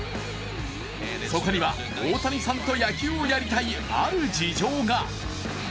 そこには大谷さんと野球をやりたいある事情が。